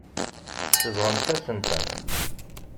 Tsebɣemt-asen-ten.